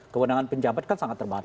kewenangan penjabat kan sangat terbatas